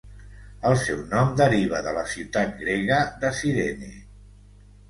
El seu nom deriva de la ciutat grega de Cirene.